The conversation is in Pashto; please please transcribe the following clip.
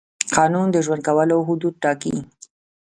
قانون د ژوند کولو حدود ټاکي.